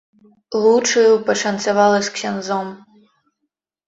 Лучаю пашанцавала з ксяндзом!